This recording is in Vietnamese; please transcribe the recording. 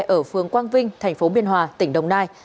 ở phường quang vinh thành phố biên hòa tỉnh đồng nai